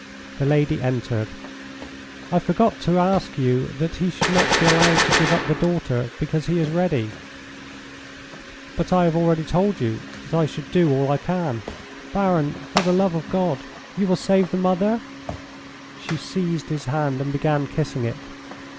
The lady entered. "I forgot to ask you that he should not be allowed to give up the daughter, because he is ready ..." "But I have already told you that I should do all I can." "Baron, for the love of God! You will save the mother?" She seized his hand, and began kissing it.